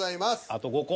あと５個。